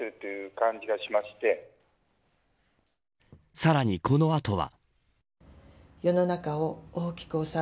さらにこの後は。